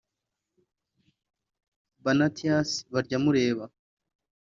Vanatius Baryamureeba